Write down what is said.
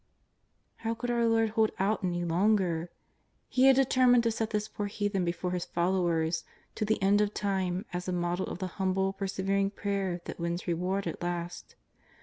'' How could our Lord hold out any longer ! He had determined to set this poor heathen before His followers to the end of time as a model of the humble, persever ing prayer that wins reward at last.